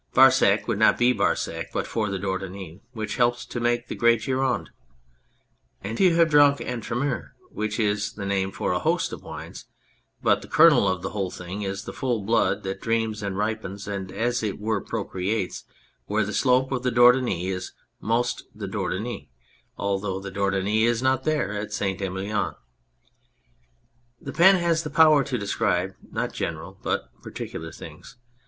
Barsac would not be Barsac but for the Dordogne, which helps to make the great Gironde. And you have drunk Entremer, which is the name for a host of wines, but the kernel of the whole thing is the full blood that dreams and ripens, and as it were procreates, where the slope of the Dordogne is most the Dordogne, although the Dordogne is not there : at St. Emilion. The pen has the power to describe, not general, but particular things.